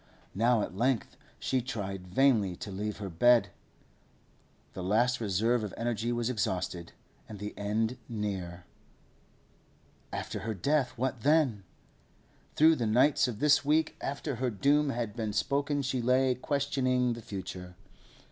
Now at length she tried vainly to leave her bed. The last reserve of energy was exhausted, and the end near. After her death, what then? Through the nights of this week after her doom had been spoken she lay questioning the future.